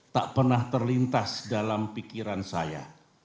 tak pernah terlintas dalam pikiran saya